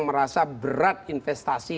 merasa berat investasi